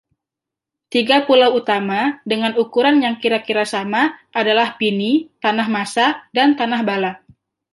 Tiga pulau utama, dengan ukuran yang kira-kira sama, adalah Pini, Tanahmasa, dan Tanahbala.